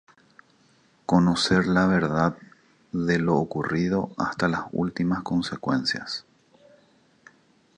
Conocer la verdad de lo ocurrido hasta las últimas consecuencias.